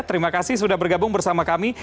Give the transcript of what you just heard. terima kasih sudah bergabung bersama kami